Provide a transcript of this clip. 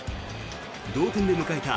同点で迎えた